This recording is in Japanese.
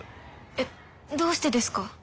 えっどうしてですか？